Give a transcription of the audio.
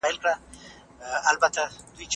د ګډو اصولو مخالفت مه کوه.